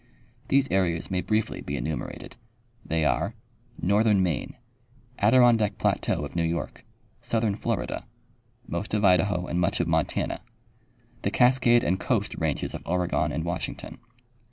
These areas may briefly be enumerated. They are : Northern Maine. Adirondack plateau of New York. Southern Florida. Most of Idaho and much of Montana. The Cascade and Coast ranges of Oregon and Washington.